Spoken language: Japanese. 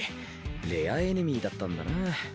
レアエネミーだったんだな。